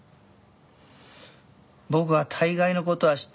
僕は大概の事は知っているからね。